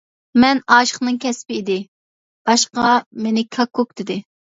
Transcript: مەن ئاشىقنىڭ كەسپى ئىدى، باشقا مېنى كاككۇك دېدى.